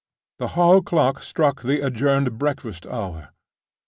The hall clock struck the adjourned breakfast hour.